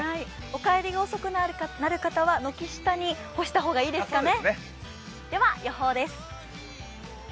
お帰りが遅くなる方は軒下に干した方がいいですね。